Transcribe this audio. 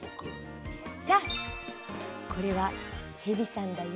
さあこれは蛇さんだよ。